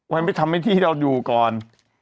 ไว้ไปทำที่เราอยู่ก่อน